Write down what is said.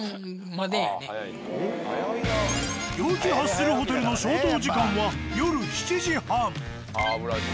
陽気ハッスルホテルの消灯時間は夜７時半。